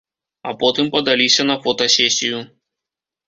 А потым падаліся на фотасесію.